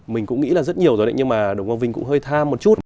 mình cũng nghĩ là rất nhiều rồi đấy nhưng mà đồng quang vinh cũng hơi tha một chút